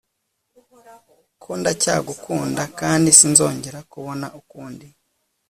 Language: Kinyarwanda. Ko ndacyakunda kandi sinzongera kubona ukundi